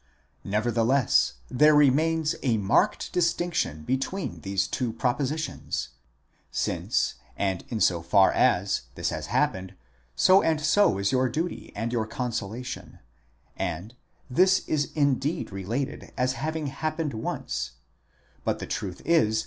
Nevertheless, _ there remains a marked distinction between these two propositions: since, and in so far as, this has happened, so and so is your duty and your consola tion—and : this is indeed related as having happened once, but the truth is